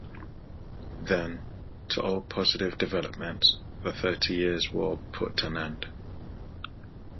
Then, to all positive developments the Thirty Years' War put an end.